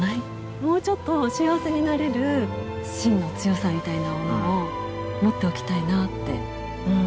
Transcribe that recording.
もうちょっと幸せになれるしんの強さみたいなものを持っておきたいなってうん。